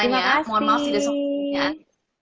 mohon maaf tidak semua pertanyaan